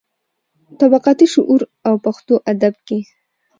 طبقاتي شعور او پښتو ادب کې.